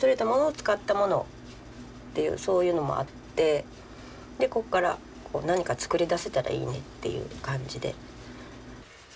そういうのもあってここから何か作り出せたらいいねっていう感じで。